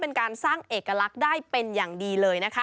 เป็นการสร้างเอกลักษณ์ได้เป็นอย่างดีเลยนะคะ